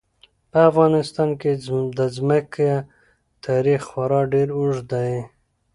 په افغانستان کې د ځمکه تاریخ خورا ډېر اوږد دی.